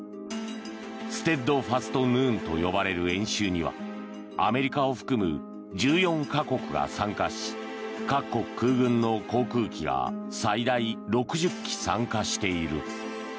ステッドファスト・ヌーンと呼ばれる演習にはアメリカを含む１４か国が参加し各国空軍の航空機が最大６０機参加している。